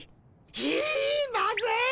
ひっまずい！